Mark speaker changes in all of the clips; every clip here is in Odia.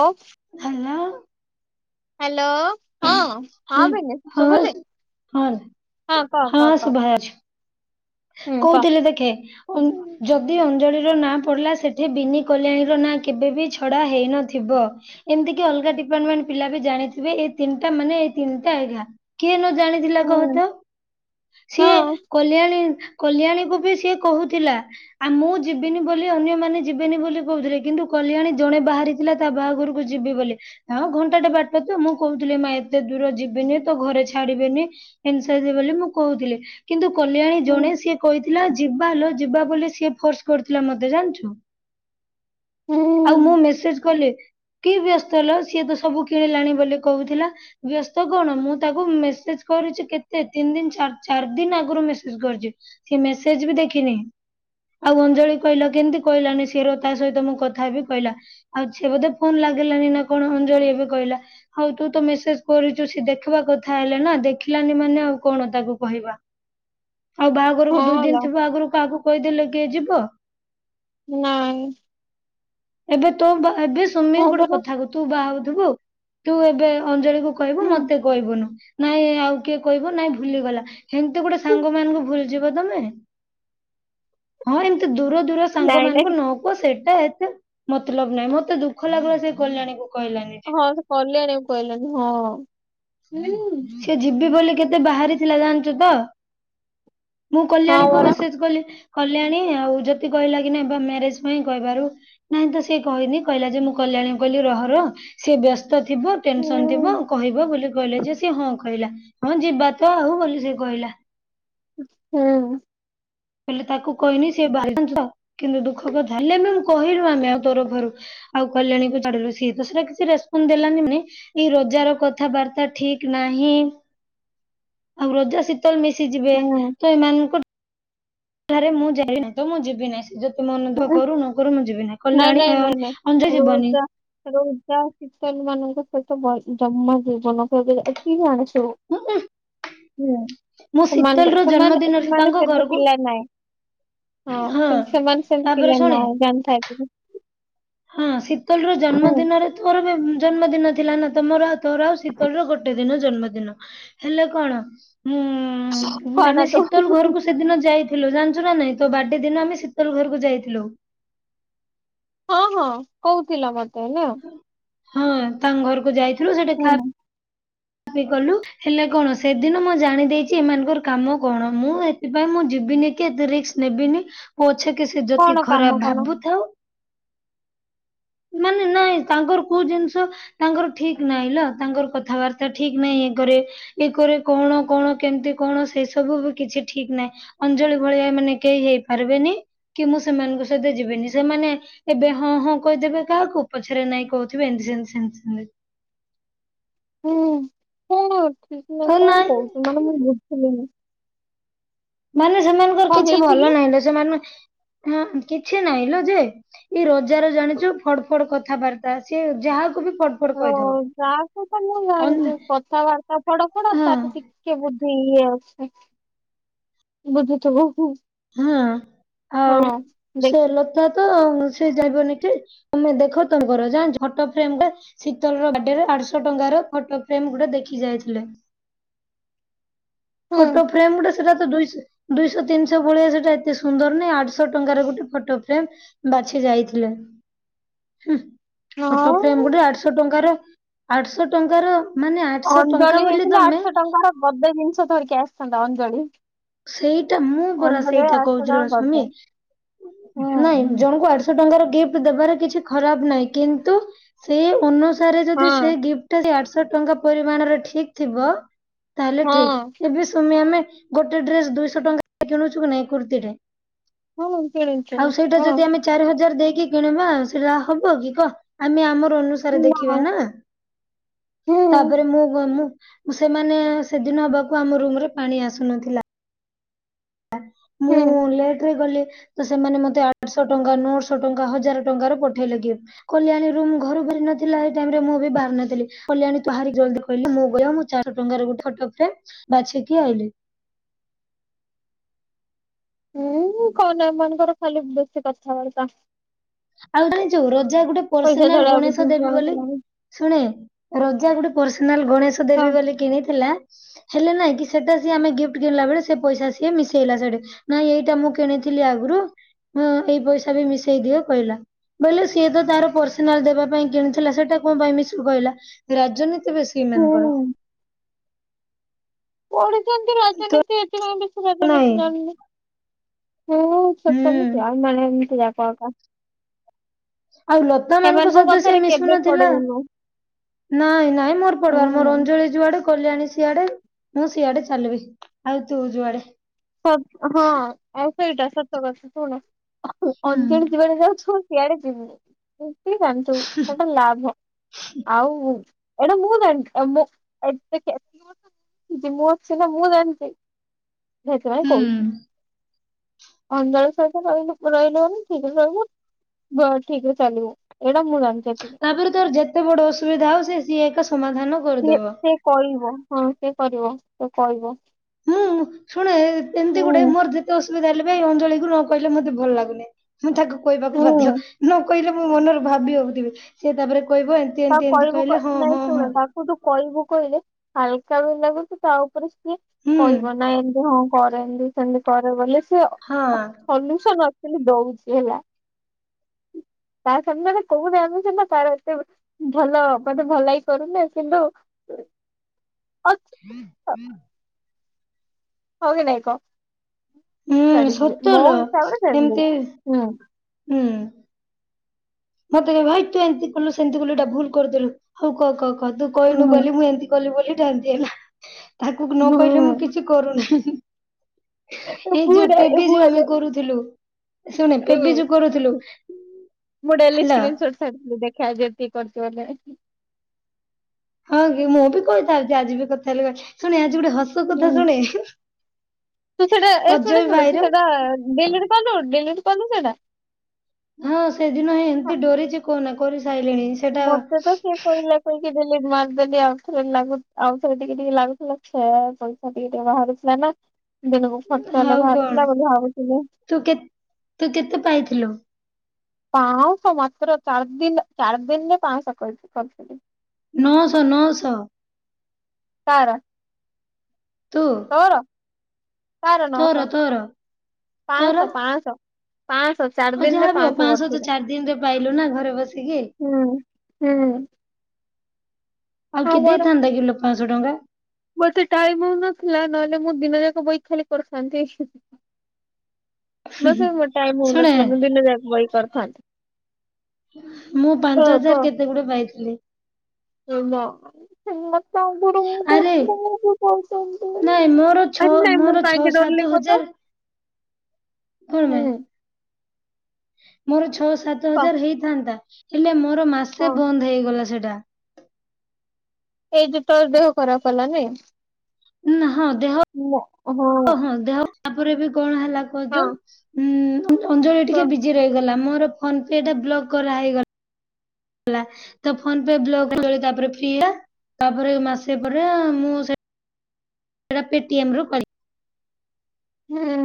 Speaker 1: ଓ
Speaker 2: ହେଲୋଓ
Speaker 1: ହାଲୋ ହଁ ହଁ
Speaker 2: ହେଲା
Speaker 1: ଭାନି
Speaker 2: ହଁ
Speaker 1: ଶୁଭୁଛି
Speaker 2: ସ- ହଁ
Speaker 1: ହଁ କହ କହ କହ ହୁଁ କହ
Speaker 2: କହୁଥିଲେ ଦେଖେ ଯଦି ଅଞ୍ଜଳିର ନାଁ ପଡ଼ିଲା ସେଠି ବିିନି କଲ୍ୟାଣୀର ନାଁ କେବେ ବି ଛଡ଼ା ହେଇନଥିବ। ଏମିତି କି ଅଲଗା ଡିପାର୍ଟମେଣ୍ଟ ପିଲା ବି ଜାଣିଥିବେ ଏଇତିନିଟା ମାନେ ଏଇ ତିନଟା ଏଘା କିଏ ନ ଜାଣି ଥିଲା କହ
Speaker 1: ହୁଁ
Speaker 2: ତ
Speaker 1: ହଁ
Speaker 2: ସିଏ କଲ୍ୟାଣୀ କଲ୍ୟାଣୀ କୁ ବି ସିଏ କହୁଥିଲା। ଆ ମୁଁ ଯିବିନି ବୋଲି ଅନ୍ୟମାନେ ଯିବେନି ବୋଲି କୋଉଥିଲେ କିନ୍ତୁ କଲ୍ୟଣୀ ଜଣେ ବାହାରି ଥିଲା ତା ବାହାଘରୁକୁ ଯିବି ବୋଲେ ନା ମ ଘଣ୍ଟାଟେ ବାଟ ତ ମୁଁ କୋଉଥିଲି ଏ ମା ଏତେ ଦୂର ଯିବିନି ତୋ ଘରେ ଛାଡ଼ିବେନି। ଏନ୍ସାଇଜି ବୋଲି ମୁଁ କୋହୁଥିଲେ କିନ୍ତୁ କଲ୍ୟାଣୀ
Speaker 1: ହୁଁ
Speaker 2: ଜଣେ ସିଏ କଇଥିଲା ଯିବା ଲୋ ଯିବା ବୋଲି ସିଏ ଫୋର୍ସ କରିଥିଲା ମତେ ଜାଣିଚୁ। ଆଉ ମୁଁ
Speaker 1: ହୁଁ
Speaker 2: ମେସେଜ୍ କଲି। କିଏ ବ୍ୟସ୍ତ ଲୋ ସିଏ ତ ସବୁ କିଣିଲାଣି ବୋଲି କୋହୁଥିଲା। ବ୍ୟସ୍ତ କଣ ମୁଁ ତାକୁ ମେସେଜ୍ କରିଚି କେତେ ତିନି ଦିନ୍ ଚାର ଚାର ଦିନ୍ ଆଗୁରୁ ମେସେଜ୍ କରିଚି। ସିଏ ମେସେଜ ବି ଦେଖିନି। ଆଉ ଅଞ୍ଜଳି କହିଲା କେମତି କଇଲାନି ସିର ତା ସହିତ ମୁଁ କଥା ବିି କଇଲା ଆଉ ସିଏ ବୋଧେ ଫୋନ୍ ଲାଗିଲାନି ନା କଣ ଅଞ୍ଜଳି ଏବେ କଇଲା। ହଉ ତୁ ତ ମେସେଜ୍ କରିଚୁ ସିଏ ଦେଖିବା କଥା ହେଲେ ନା ଦେଖିଲାନି ମାନେ ଆଉ କଣ ତାକୁ କହିବା। ଆଉ ବାଘରକୁ ଦୁଇ
Speaker 1: ହଁ
Speaker 2: ଦିନ୍
Speaker 1: ଲୋ
Speaker 2: ଥିବା ଆଗୁରୁ କାଆକୁ କଇଦେଲେ କିଏ ଯିବ।
Speaker 1: ନାଁଇ
Speaker 2: ଏବେ ତୋ ଏବେ ସୁମି
Speaker 1: ହଁ
Speaker 2: ଗୋଟେ
Speaker 1: ପରା
Speaker 2: କଥା କ ତୁ ବାହୁଉଥିବୁ ତୁ ଏବେ ଅଞ୍ଜଳି କୁ କହିବୁ
Speaker 1: ହୁଁ
Speaker 2: ମତେ କହିବୁନୁ। ନାଇଁ ଆଉ କିଏ କଇବ ନାଇଁ ଭୁଲିଗଲା ହେମତି ଗୋଟେ
Speaker 1: ହୁଁ,
Speaker 2: ସାଙ୍ଗ ମାନଙ୍କୁ ଭୁଲ ଯିବ ତମେ ହଁ ଏମତି ଦୂର ଦୂର ସାଙ୍ଗ
Speaker 1: ନାଇଁ
Speaker 2: ମାନଙ୍କୁ
Speaker 1: ନାଇଁ
Speaker 2: ନ ଓ ସେଟା ଏତେ ମତ୍ଲବ ନାଇଁ ମତେ ଦୁଃଖ ଲାଗିଲା ସେ କଲ୍ୟାଣୀ କଥା
Speaker 1: ହଁ ସେ କଲ୍ୟାଣି କୁ କଇଲାଣିି ହଁ ଉଁ
Speaker 2: ସେ ଯିବି ବୋଲି କେତେ ବାହାରିଥିଲା ଜାଣଚୁ ତ ମୁଁ
Speaker 1: ହଁ
Speaker 2: କଲ୍ୟାଣୀକୁ
Speaker 1: ପରା
Speaker 2: ମେସେଜ୍ କଲି କଲ୍ୟାଣୀ ଆଉ ଜ୍ୟୋତି କଇଲା କି ନେବ ମ୍ୟାରେଜ ପାଇଁ କହିବାରୁ ନାଇଁ ତ ସିଏ କହିନି କହିଲା ଯେ ମୁଁ କଲ୍ୟାଣୀ କୁ କଇଲି ରହ ରହ ସିଏ ବ୍ୟସ୍ତ ଥିବ
Speaker 1: ହୁଁ
Speaker 2: ଟେନସନ ଥିବ କହିବ ବୋଲି କଇଲେ ଯେ ସିଏ ହଁ। କଇଲା ହଁ ଯିବା ତ ଆଉ ବୋଲି ସେ କଇଲା।
Speaker 1: ହୁଁ।
Speaker 2: ହେଲେ ତାକୁ କଇନି ସିଏ ବାରି କିନ୍ତୁ ଦୁଃଖ କଥା ହେଲେ ବି ମୁଁ କହିଲୁ ଆମେ ଆଉ ତୋରୋ ଘରୁ ଆଉ କଲ୍ୟାଣୀ କୁ ଛାଡ଼େ ଲୋ ସିଏ ତ ସେଟା କିଛି ରେସପନ୍ ଦେଲାନି ମାନେ ଏଇ ରୋଜାର କଥାବାର୍ତ୍ତା ଠିକ୍ ନାହିଁ ଆଉ ରଜା ସେ ତେଲ୍ ମିଶି ଯିବେ
Speaker 1: ହୁଁ
Speaker 2: ତ ଏମାନଙ୍କୁ ମୁଁ ଯାଇପାଇବି ନାଇଁ ତ ମୁଁ ଯିବି ନାଇଁ ଯେତେ ମନଦୁଃଖ
Speaker 1: ହୁଁ,
Speaker 2: କରୁ ନ କରୁ ମୁଁ ଯିବି ନେଇ କଲ୍ୟାଣୀ ଅନ୍ ଅଞ୍ଜୟ ଯିବନି।
Speaker 1: ଯୋଉ ଉଜା କୀର୍ତନୀ ମାନଙ୍କୁ ସହିତ ମଲ ଜମା ଜିବୁନୁ ସିଏ କଇଲା ଏତିକି ଆଣିଛୁ
Speaker 2: ଉଁ ଉଁ
Speaker 1: ହୁଁ।
Speaker 2: ମୁଁ ଶୀତଲ
Speaker 1: ସମାନଙ୍କ
Speaker 2: ର ଜନ୍ମଦିନରେ
Speaker 1: ସେମାନେ
Speaker 2: ତାଙ୍କ
Speaker 1: ସେମ୍ତି
Speaker 2: ଘରକୁ
Speaker 1: ପିଲା ନାଇଁ ହଁ ସେ-ସେମାନେ ସେ
Speaker 2: ତାପରେ
Speaker 1: ପିଲା
Speaker 2: ଶୁଣେ
Speaker 1: ନାଇଁ ଜାଣିଥା ଏତିକି।
Speaker 2: ହଁ ଶୀତଲର ଜନ୍ମଦିନରେ ତୋର ବି ଜନ୍ମଦିନ ଥିଲା ନା ତମର ତୋରୋ ଆଉ ଶୀତଳର ଗୋଟେ ଦିନ ଜନ୍ମଦିନ ହେଲେ କଣ ମୁଁ ଉଁ
Speaker 1: କଣ
Speaker 2: ଆମେ
Speaker 1: ତୁ
Speaker 2: ଶୀତଲ ଘରୁକୁ ସେଦିନ ଯାଇ। ଥିଲୁ ଜାଣଚୁ ନା ନାଇଁ ତୋ ବାର୍ଡେ ଦିନ ଆମେ ଶୀତଲ ଘରୁକୁ ଯାଇଥିଲୁ।
Speaker 1: ହଁ ହଁ କୋହୁଥିଲ ମତେ ନା
Speaker 2: ହଁ ତାଙ୍କ ଘରୁକୁ ଯାଇଥିଲୁ ସେଠି
Speaker 1: ହୁଁ
Speaker 2: ଖାଇଆ ପି କଲୁ। ହେଲେ କଣ ସେଦିନ ମୁଁ ଜାଣି ଦେଇେଚି ଏମାନଙ୍କର କାମ କଣ ମୁଁ ଏଥିପାଇଁ ମୁଁ ଯିବିନି କି ଏତେ ରିକ୍ସ ନେବିନି ପଛେକେ ସେ ଯୋତି
Speaker 1: କଣ କାମ
Speaker 2: ଖରାପ
Speaker 1: କଣ
Speaker 2: ଭାବୁଥାଉ ମାନେ ନାଇଁ ତାଙ୍କର କୋଉ ଜିନଷ ତାଙ୍କର ଠିକ୍ ନାଇଁ ଲା ତାଙ୍କର କଥାବାର୍ତ୍ତା ଠିକ ନାଇଁ ଏକରେ ଏକରେ କଣ କଣ କେମତି କଣ ସେ ସବୁ ବି କିଛି ଠିକ୍ ନାଇଁ ଅଞ୍ଜଳି ଭଳିଆ ଏମାନେ କେହି ହେଇପାରିବେନି କି ମୁଁ ସେମାନଙ୍କ ସହିତ ଯିବିନି ସେମାନେ ଏବେ ହଁ ହଁ। କଇଦେବେ କାହାକୁ ପଛରେ ନାଇଁ କୋଉଥିବେ ଏମତି ସେମତି ସେମିତି ସେମିତ୍
Speaker 1: ହୁଁ କଣ ଠିକ୍ ନାଇଁ ତୋର କୋଉ ମାନେ ମୁଁ ବୁଝିଲିିନି।
Speaker 2: ମାନେ ସେମାନଙ୍କର
Speaker 1: କଣ
Speaker 2: କିଛି
Speaker 1: ହେଇଛି
Speaker 2: ଭଲ
Speaker 1: କି
Speaker 2: ନାଇଁ ନା ସେମନେ ହଁ କିଛି ନାଇଁ ଲୋ ଯେ ଏଇ ରୋଜାର ଜାଣିଚୁ ଫଡ୍ ଫଡ୍ କଥାବାର୍ତ୍ତା ତା ସିଏ ଯାହାକୁ ବି ଫଡ୍ ଫଡ୍
Speaker 1: ହ
Speaker 2: କହିଦବ
Speaker 1: ଯାହାକୁ ତ ମୁ
Speaker 2: ଅନ୍
Speaker 1: କଥାବାର୍ତ୍ତା ଫଡ଼ ଫଡ଼
Speaker 2: ହଁ
Speaker 1: ତାଠୁ ଟିକେ କେ ବୁଦ୍ଧି ଇଏ ଅଛି ବୁଝୁୁଥୁବୁ
Speaker 2: ହଁ ଆ
Speaker 1: ଦେଖି
Speaker 2: ସେଲ ତ ତ ସେ ଯାଇବନିିକି ତମେ ଦେଖ ତମର ଯା ଝଟ ଫ୍ରେମ ଟେ ଶୀତଳ ର ବାଡେରେ ଆଠଶହ ଟଙ୍କା ର ଫଟୋ ଫ୍ରେମ ଗୁଟେ ଦେଖି ଯାଇଥିଲେ।
Speaker 1: ହୁଁ
Speaker 2: ଫୋଟୋ ଫ୍ରେମ୍ ଟା ସେଟା ଦୁଇ ଦୁଇଶହ ତିନିଶହ ଭଳିଆ ସେଟା ଏତେ ସୁନ୍ଦର ନାହିଁ ଆଠଶହ ଟଙ୍କାର ଗୋଟେ ଫଟୋ ଫ୍ରେମ୍ ବାଛି ଯାଇଥିଲେ ହୁଁ ଫଟୋ ଫ୍ରେମ୍
Speaker 1: ହଁ
Speaker 2: ଗୋଟେ ଆଠଶହ ଟଙ୍କାର ଆଠଶହ ଟଙ୍କାର। ମାନେ ଆଠଶହ ଟଙ୍କା ବୋଲି ତମେ
Speaker 1: ବଦେ ଜିନିଷ ଧଥରିକି ଆସିଥାନ୍ତା ଅଞ୍ଜଳି।
Speaker 2: ସେଇଟା ମୁଁ ପରା
Speaker 1: ଅଞ୍ଜଳି
Speaker 2: ସେଇଟା
Speaker 1: ଆଠଶହ ଟଙ୍କା
Speaker 2: କହୁଥିଲି ବା ସାମୀ
Speaker 1: ଗଦେ
Speaker 2: ନାଇଁ
Speaker 1: ହୁଁ
Speaker 2: ଜଣଙ୍କୁ ଆଠ୍ ଟଙ୍କାର ଗିଫ୍ଟ ଦେବାର କିଛି ଖରାପ ନାହିଁ କିନ୍ତୁ ସେଇ ଅନୁସାରେ ଯଦି
Speaker 1: ହଁ
Speaker 2: ସେ ଗିଫ୍ଟ ଯଦି ଆଠଶହ ଟଙ୍କା ପରିମାଣରେ ଠିକ୍ ଥିବ ତାହେଲେ
Speaker 1: ହଁ
Speaker 2: ଠିକ୍ ଏବେ ସୁମି ଆମେ। ଗୋଟେ ଡ୍ରେସ ଦୁଇଶହ ଟଙ୍କା କିଣୁଛୁ କି ନାଇଁ କୁର୍ତ୍ତୀଟେ
Speaker 1: ହଁ କିଣିଛୁ
Speaker 2: ଆଉ ସେଇଟା
Speaker 1: ହଁ
Speaker 2: ଯଦି ଆମେ ଗୋ ଚାରି ହଜାର ଦେଇକି କିଣିବା ସେଇଟା ହବ କି କହ ଆମେ ଆମର ଅନୁସାରେ ଦେଖିବା ନା
Speaker 1: ହୁଁ
Speaker 2: ତାପରେ ମୁଁ ମୁ ସେମାନେ ସେଦିନ ହବାକୁ ଆମ ରୁମରେ ପାଣି ଆସେ ଶୁ ନଥିଲା।
Speaker 1: ହୁଁ
Speaker 2: ମୁଁ ଲେଟ୍ ରେ ଗଲି। ତ ସେମାନେ ମତେ ଆଠଶହ ଟଙ୍କା ନଅଶହ ଟଙ୍କା ହଜାର ଟଙ୍କାର ର ପଠେଇଲେ କି? କଲ୍ୟାଣୀ ରୁ ଘରୁ ବା ନଥିଲା ସେଇ ଟାଇ ରେ ମୁଁ ବି ବାହାରି ନଥିଲି କଲ୍ୟାଣୀ ତହାରି ଜଲଦି କହିଲି ମୁଁ ଚାରିଶହ ଟଙ୍କାର ଗୋଟେ ଫଟୋପେ ବାଛକି ଆଇଲେ।
Speaker 1: ହୁଁ କନ ଏମାନାନଙ୍କର ଖାଲି ବେଶୀ କଥାବାର୍ତ୍ତା।
Speaker 2: ଆଉ ଜାଣିଛୁ ରଜା ଗୋଟେ
Speaker 1: ପଇସା
Speaker 2: ପର୍ସନାଲ
Speaker 1: ଝାଡା
Speaker 2: ଗଣେଶ
Speaker 1: ବୁଦ୍ଧି
Speaker 2: ଦେବୀ
Speaker 1: କଣ
Speaker 2: ବୋଲି
Speaker 1: କଲାଣି।
Speaker 2: ଶୁଣେ ରଜା ଗୋଟେ ପର୍ସନାଲ ଗଣେଶ
Speaker 1: ହଁ
Speaker 2: ଦେବୀ ବୋଲି କହିଥିଲା। ହେଲେ ନାଇଁ କି ସେଟା ସି ଆମେ ଗିଫ୍ଟ କିଣିଲା ବଳେ ସେ ପଇସା ସିଏ ମିଶେଇଲା ସେଠେ। ନାଇଁ ଏଇଟା ମୁଁ କିଣିଥିଲି ଆଗରୁ ଏଇ ପଇସା ବି ମିଶେଇ ଦିଅ। କହିଲା ବୋଇିଲେ ସିଏ ତ ତାର ପର୍ସନାଲ ଦେବା ପାଇଁ କିଣିଥିଲା ସେଟା କଣ ପାଇଁ ମିଶୁ କହିଲା। ରାଜନୀତି ବେଶୀ
Speaker 1: ହୁଁ
Speaker 2: ଏମାନଙ୍କର।
Speaker 1: ପଢିଛନ୍ତି
Speaker 2: ତ
Speaker 1: ରାଜନୀତି ଏଥିପାଇଁ ବେଶୀ
Speaker 2: ନାଇଁ
Speaker 1: ରାଜନୀତି ଜନିଁ। ସ
Speaker 2: ହୁଁ
Speaker 1: ସଲି ମାନେତି [unintelligible]
Speaker 2: ଆଉ ଲତା ମାନଙ୍କୁ ସହିତ ସେ ମିଶୁ
Speaker 1: କେବେ
Speaker 2: ନଥିଲା।
Speaker 1: ପଡିବୁନୁ
Speaker 2: ନାଇଁ ନାଇଁ ମୋର ପଡିବାର
Speaker 1: ହୁଁ
Speaker 2: ମୋର ଅଞ୍ଜଳି। ଯୁଆଡେ କଲଣୀ ସିଆଡେ ମୁଁ ସିଆଡେ ଚାଲିବି ଆଉ ତୁ ଯୁଆଡେ।
Speaker 1: ସବ ହଁ। ଆଉ ସେଇଟା ସତ ବର୍ଷ ଶୁଣ
Speaker 2: ହୁଁ
Speaker 1: ଅଞ୍ଜଳି ଯିବାଡେ ଯାଉଛୁ ସିଆଡେ ଯିବୁନି। ନି ଯନ୍ତୁ ସେଟା ଲାଭ ଆଉ। ଏଟା ମୁଁଣ୍ଟେ ମୁଁ ଏ ମୁଁର୍ଷ ନା ମୁଁଣ୍ଟେ। ସେଥିପାଇଁ
Speaker 2: ହୁଁ।
Speaker 1: କହୁଛି ଅନ୍ଧାର ସହିତ ରହିଲୁ ରହିଲୁନି ଠିକ ରହିଲୁ। ବ ଠିକେ ଚାଲିବୁ ଏଇଟା ମୁଁ ଜାଣିଥିଲି।
Speaker 2: ତାପରେ ତୋର ଯେତେ ବଡ ଅସୁବିଧା ହଉ ସେ ସିଏ ଏକା ସମାଧାନ
Speaker 1: ସେ
Speaker 2: କରିଦବ।
Speaker 1: ସେ କହିବ ହଁ ସେ କରିବ ସେ କହିବ।
Speaker 2: ମୁଁ ଶୁଣେ ଏମିତି ଗୋଟେ
Speaker 1: ହୁଁ
Speaker 2: ମୋର ଯେତେ ଅସୁବିଧା ହେଲେଇ ଅଞଳିକୁ ନ କହିଲେ ମତେ ଭଲ ଲାଗୁନି। ମୁଁ ତାକୁ କହିବାକୁ
Speaker 1: ହୁଁ
Speaker 2: ବାଧ୍ୟ ନ କହିଲେ ମୋ ମନରୁ ଭାବି ହଉଥିବି ସେ ତାପରେ କହିବ
Speaker 1: ତା
Speaker 2: ଏମିତି ଏମିତି
Speaker 1: କହିବୁ
Speaker 2: କହିଲେ ହଁ
Speaker 1: ନାଇଁ
Speaker 2: ହଁ
Speaker 1: ଶୁଣ
Speaker 2: ହଁ
Speaker 1: ତାକୁ ତୁ କହିବୁ କହିଲେ ହାଲକା ବି ଲାଗୁଛି ତା ଉପରେ
Speaker 2: ହୁଁ।
Speaker 1: କହିବ ନା ଏମତି ହଁ କରେ ଏମତି ସେମତି କରେ ବୋଲି ସେ
Speaker 2: ହଁ
Speaker 1: ଅନୁଷ ନଥିଲି ଦଉଛି ହେଲା। ତା ସମ କହୁ ଦେ ଆମ ସେ ନା ତାର ଏତେ ଭଲ ମତେ ଭଲ ହଇ କରୁନେ କିନ୍ତୁ
Speaker 2: [inaudible]
Speaker 1: ହଁ କି ନାଇ କହ।
Speaker 2: ହୁଁ
Speaker 1: [unintelligible] ମୋ
Speaker 2: ସତଲୋ
Speaker 1: ହିସାବରେ
Speaker 2: ଏମିତି
Speaker 1: ସେମିତି।
Speaker 2: ହୁଁ। ମତେ ହେ ଭାଇ ତୁ ଏମିତି କଲୁ ସେମିତି କଲୁ ଏଟା ଭୁଲ କରିଦେଲୁ ହଉ କହ କହ କହ ତୁ କହିନୁ
Speaker 1: ହୁଁ।
Speaker 2: ବୋଲି ମୁଁ ଏମିତି। କଲି ବୋଲି ଜାନ୍ତି ହେଲା। ତାକୁ ନ
Speaker 1: ହୁଁ।
Speaker 2: କହିଲେ ମୁଁ କିଛି କରୁନାହିଁ। ଏଇ
Speaker 1: ମୁଁ
Speaker 2: ଯୋଉ
Speaker 1: ରେ
Speaker 2: ପେବି
Speaker 1: ମୁଁ
Speaker 2: ଯୋ
Speaker 1: ହେଲେ
Speaker 2: ଆମେ କରୁଥିଲୁ। ଶୁଣେ ପେବି ଯୋ କରୁଥିଲୁ।
Speaker 1: ମୁଁ ଡେଲି
Speaker 2: ହାଲୋ।
Speaker 1: ସ୍କ୍ରିନ୍ସଟ ଛାଡୁଥିଲି। ଦେଖେ ଆଜି ଏତିକି କରିଛି ବୋଲି।
Speaker 2: ହଁ କି ମୁଁ ବି କହିଥାଉଛି, ଆଜି ବି କଥା ହେଲେ ଶୁଣେ ଆଜି ଗୋଟେ ହସ କଥା
Speaker 1: ହୁଁ।
Speaker 2: ଶୁଣେ।
Speaker 1: ତୁ ସେଇଟା ଏ
Speaker 2: ଅଜୟ
Speaker 1: ଶୁଣେ ଶୁଣେ
Speaker 2: ଭାଇର
Speaker 1: ତୁ ସେଇଟା ଡିଲିଟ୍ କଲୁ ଡିଲିଟ୍ କଲୁ ସେଇଟା।
Speaker 2: ହଁ ସେଦିନ ହିଁ ଏମିତି ଡରିଛି କହନା କରି ସାଇଲିଣି।
Speaker 1: ମତେ ତ ସିଏ କହିଲା। ପକି ଦେଲି ମାରିଦେଲି ଆଉଥରେ ଲ ଆଉଥରେ ଟିକେ ଟିକେ ଲାଗୁଥିଲା ସେ ସେ ଟିକେ ଟିକେ ବାହାରୁଥିଲା ନା ଦିନକୁ ଖର୍ଚ୍ଚ ହେଲେ
Speaker 2: ଆଉ କଣ
Speaker 1: ବାହାରାରୁଥିଲା ବୋଲି ଭାବୁଥିଲି।
Speaker 2: ତୁ କେତ ତୁ କେତେ ପାଇଥିଲୁ।
Speaker 1: ପାଁଶହ ମାତ୍ର ଚାରି ଦିନ ଚାରି ଦିନରେ ପାଁଶହ କରି କରିଥିଲି।
Speaker 2: ନଅଶହ ନଅଶହ।
Speaker 1: ତାର।
Speaker 2: ତୁ?
Speaker 1: ତୋର କାହାର
Speaker 2: ତୋର
Speaker 1: ନଅଶହ
Speaker 2: ତୋର ତୋର
Speaker 1: ପାଁଶହ ପାଁଶହ ପାଁଶହ। ଚାରି
Speaker 2: ହଉ
Speaker 1: ଦିନରେ
Speaker 2: ଯାହାବି ହଉ ପାଁଶହ ତ
Speaker 1: କରିଥିଲେ
Speaker 2: ଚାରି ଦିନରେ ପାଇଲୁ ନା ଘରେ ବସିକି।
Speaker 1: ହୁଁ ହୁଁ।
Speaker 2: ଆଉ କିଏ ଦେଇଥାନ୍ତା କିିଲୋ ପାଞ୍ଚଶହ ଟଙ୍କା?
Speaker 1: ମୋତେ ଟାଇମ ହଉନଥିଲା, ନହେଲେ ମୁଁ ଦିନ ଯାକ ବଇକି ଖାଲି କରିଥାନ୍ତି।
Speaker 2: [inaudible]
Speaker 1: ମ ସେ ଟାଇମ
Speaker 2: ଶୁଣେ
Speaker 1: ହଉନଥିଲା, ମୁ ଦିନ ଯାକ ବଇକି କରଥାନ୍ତି।
Speaker 2: ମୁଁ ପାଞ୍ଚ
Speaker 1: ତ
Speaker 2: ହଜାର କେତେ ଗୁଟେ ପାଇଥିଲି।
Speaker 1: [unintelligible] ଆରେ ନାଇ
Speaker 2: ଆରେ ନାଇଁ ମୋର ଛଅ
Speaker 1: ମୁଁ
Speaker 2: ମୋର ଛଅ
Speaker 1: କାଇଁକି ଦରିଲି
Speaker 2: ସାତ
Speaker 1: କହ ତ?
Speaker 2: ହଜାର କଣ ପାଇଁ
Speaker 1: ହୁଁ
Speaker 2: ମୋର ଛଅ ସାତ
Speaker 1: କହ
Speaker 2: ହଜାର ହେଇଥାନ୍ତା ହେଲେ ମୋର
Speaker 1: ହଁ
Speaker 2: ମାସେ ବନ୍ଦ ହେଇଗଲା ସେଟା।
Speaker 1: ଏଇ ଯୋ ତୋର ଦେହ ଖରାପ ହେଲା ନେଇ?
Speaker 2: ନା ହଁ ଦେହ ହଁ ଦେହ ତାପରେ ବି କଣ ହେଲା କୁହତ
Speaker 1: ହଁ
Speaker 2: ହୁଁ ଅଞ୍ଜଳି
Speaker 1: ପ
Speaker 2: ଟିକେ ବିଜି ରହିଗଲା। ମୋର ଫୋନ ପେଟା ବ୍ଲକ୍ କରାହେଇଗ ଲା ତ ଫୋନ ପେ ବ୍ଲକ ତାପରେ ଫ୍ରି ତାପରେ ମାସେ ପରେ ମୁଁ ସେ ପେଟିମ୍ରୁ କଲି।
Speaker 1: ହୁଁ।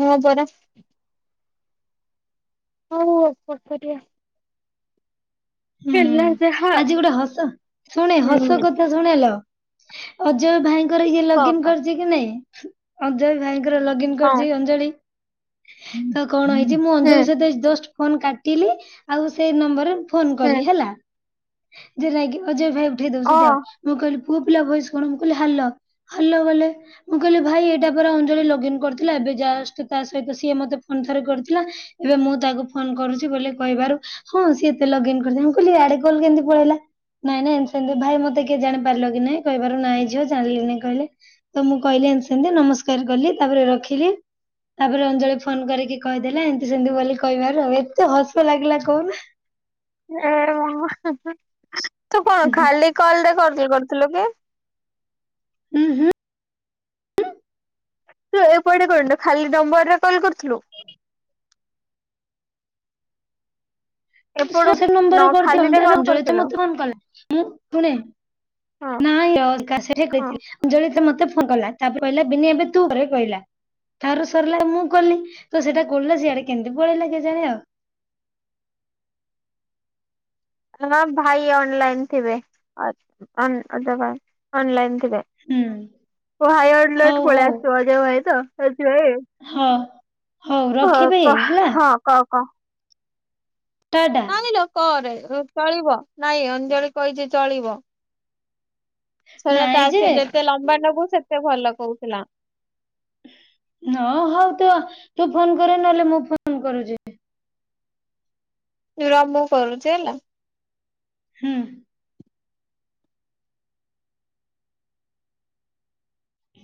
Speaker 1: ହଁ ପରା। ହଉ ଆଉ କଣ କରିବା।
Speaker 2: ହୁଁ
Speaker 1: ଯାହା
Speaker 2: ଆଜି ଗୋଟେ ହସ- ଶୁଣେ ହସ
Speaker 1: ହୁଁ
Speaker 2: କଥା ଶୁଣେଲୋ ଅଜୟ ଭାଇଙ୍କର ଇଏ
Speaker 1: କ
Speaker 2: ଲଗଇନ
Speaker 1: କ
Speaker 2: କରି କି ନାଇଁ ଅଜୟ ଭାଇଙ୍କର ଲ
Speaker 1: ହଁ
Speaker 2: କରିଛି ଅଞ୍ଜଳି। ତ କଣ ହେଇଛି ମୁଁ
Speaker 1: ହୁଁ
Speaker 2: ଅଞ୍ଜଳି ଜଷ୍ଟ ଫୋନ କାଟିଲି ଆଉ ସେଇ ନମ୍ବରରେ ଫୋନ କଲି
Speaker 1: ହୁଁ
Speaker 2: ହେଲା। ଯେ ନାଇକି ଅଜୟ ଭାଇ ଉଠେଇ
Speaker 1: ଅ
Speaker 2: ଦଉଛନ୍ତି ଆଉ, ମୁଁ କହିଲି ପୁଅ ପିଲା ଭୟସ କଣ ମୁଁ କହିଲି ହାଲୋ। ହଲୋ ଭଲେ। ମୁଁ କହିଲି ଭାଇ ଏଇଟା ପରା ଅଞ୍ଜଳି ଲଗ୍ଇନ କରିଥିଲା। ଏବେ ଯାଷ୍ଟ ତା ସହିତ ସିଏ ମତେ ଫୋନ ଥରେ କରିଥିଲା। ଏବେ ମୁଁ ତାକୁ ଫୋନ କରୁଛି ବୋଲି କହିବାରୁ ହଁ ସିଏତ ଲଗଇନ୍ କହି ଆଡେ କଲ କେମି ପଳେଇଲା। ନାଇଁ ନାଇଁ ସେମିତି ଭାଇ ମତେ କିଏ ଜାଣିପାରିଲ କି ନାଇଁ କହିବାରୁ ନାାଇଁ ଯିଅ ଜାଣିଲିଁ କହିଲେ। ତ ମୁଁ କହିଲି ଏତି ସେମତି ନମସ୍କାର କଲି ତାପରେ ରଖିଲି। ତାପରେ ଅଞ୍ଜଳି ଫୋନ କରିକି କହିଦେଲା ଏମିତି ସେମିତି ବୋଲି କହିବାରୁ ଆଉ ଏତେ ହସ ଲାଗିଲା କହନା।
Speaker 1: ଏ ମ ତୁ କଣ ଖାଲି କଲରେ କରି କରିଥିଲୁ କି।?
Speaker 2: ହୁଁ ହୁଁ।
Speaker 1: ତୁ ଏପଟେ କରନୁ ଖାଲି ନମ୍ବର ରେ କଲ୍ କରିୁଥିଲୁ? ଏପଟୁ ନ
Speaker 2: [unintelligible]
Speaker 1: ଖାଲିରେ କଲ୍ କରିଥିଲୁ
Speaker 2: ମୁଁ ଶୁଣେ
Speaker 1: ହଁ
Speaker 2: [unintelligible]
Speaker 1: ହଁ
Speaker 2: ଜଳିତ ମତେ ଫଲା ତାପରେ କହିଲା ବିିନି ଏବେ ତୁ ଘରେ କହିଲା। ଥାରୁ ସରିଲା ମୁଁ କଲି ତ ସେଇଟା କିଲା ସିଆଡେ କେମିତି ପଳେଇଲା କେ ଜାଣି ଆଉ।
Speaker 1: ଭାଇ ଅନଲାଇନ୍ ଥିବେ [unintelligible] ଅନଲାଇନ୍ ଥିବେ।
Speaker 2: ହୁଁ ହଉ ହଉ
Speaker 1: [unintelligible]
Speaker 2: ହଁ। ହଉ
Speaker 1: କ
Speaker 2: ରଖିବି
Speaker 1: କ
Speaker 2: ହେଲା
Speaker 1: ହଁ କହ କହ।
Speaker 2: ଟାଟା।
Speaker 1: କହିଲ କରେ ଚଳିବ ନାଇଁ ଅଞ୍ଜଳି କହିଛି ଚଳିବ। ଶ
Speaker 2: ନାଇଁ ଯେ
Speaker 1: ଆସି ଯେତେ ଲମ୍ବା ଲବୁ ସେତେ ଭଲ କହୁଥିଲା।
Speaker 2: ହଁ ହଉ ତୁ ତୁ ଫୋନ କରରେ ନହେଲେ ମୁଁ ଫୋନ କରୁଛି।
Speaker 1: ର ମୁ କରୁଛି ହେଲା।
Speaker 2: ହୁଁ।